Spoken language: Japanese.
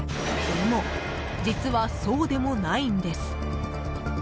でも、実はそうでもないんです。